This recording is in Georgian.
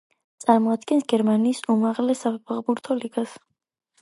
წარმოადგენს გერმანიის უმაღლეს საფეხბურთო ლიგას.